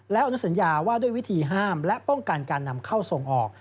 และอนุสัญญาว่าด้วยวิธีห้ามและป้องกันการนำเข้าส่งออก